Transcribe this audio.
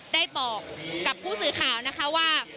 ได้บอกกับผู้สื่อข่าวนะคะว่า